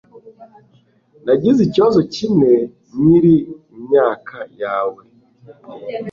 Nagize ikibazo kimwe nkiri imyaka yawe.